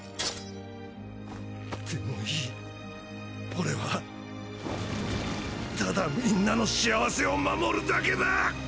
でもいい俺はただ皆の幸せを守るだけだ！！